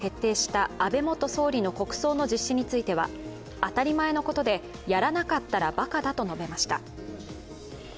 また、政府が決定した安倍元総理の国葬の実施については当たり前のことで、やらなかったらばかだと述べました。